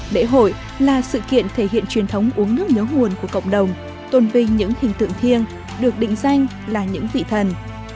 lễ hội là sự kiện thể hiện truyền thống uống nước nhớ nguồn của cộng đồng tôn vinh những hình tượng thiêng được định danh là những vị thần